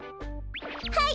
はい！